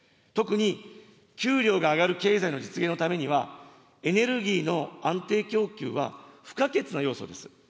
特に給料が上がる経済の実現のためには、エネルギーの安定供給は不可欠な要素です。